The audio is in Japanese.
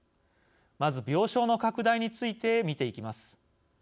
まず病床の拡大について見ていきます。